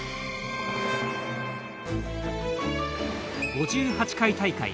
５８回大会。